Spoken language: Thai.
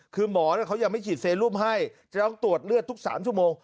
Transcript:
คือหมอเขายังไม่ฉีดเซรุมให้จะต้องตรวจเลือดทุก๓ชั่วโมง